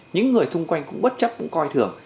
những người xung quanh cũng bất chấp cũng coi thường